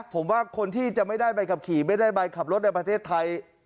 ผมว่าคนที่จะไม่ได้ใบขับขี่ไม่ได้ใบขับรถในประเทศไทย